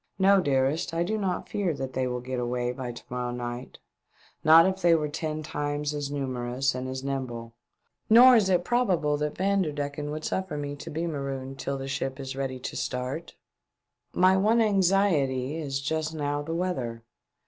No, dearest, I do not fear that they will get away by to morrow night — not if they were ten times as numerous and as nimble ; nor is it probable that Vanderdecken would suffer me to be marooned till the 458 THE DEATH SHIP ship is ready to start. My one anxiety is just now the weather.